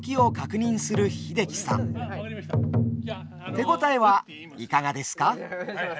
手応えはいかがですか？